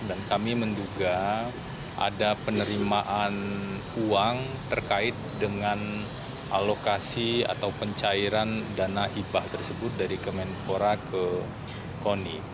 dan kami menduga ada penerimaan uang terkait dengan alokasi atau pencairan dana hibah tersebut dari kemenpora ke koni